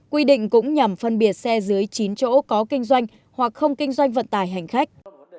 quy định cũng nhằm phân biệt xe dưới chín chỗ có kinh doanh hoặc không kinh doanh vận tải hành khách